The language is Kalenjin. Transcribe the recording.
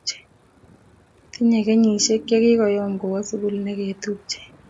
tinyei kenyishiek chegigoyam kowo sugul negetupche